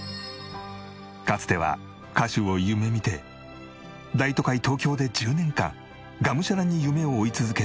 かつては歌手を夢見て大都会東京で１０年間がむしゃらに夢を追い続け